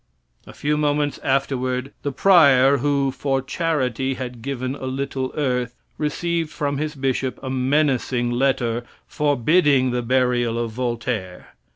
A few moments afterward the prior who "for charity had given a little earth" received from his bishop a menacing letter forbidding the burial of Voltaire.